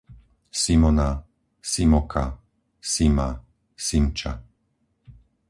Simona, Simoka, Sima, Simča